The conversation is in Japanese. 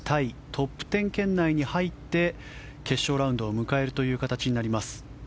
トップ１０圏内に入って決勝ラウンドを迎えるという形になります。